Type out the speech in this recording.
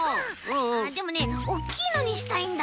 ああでもねおっきいのにしたいんだ。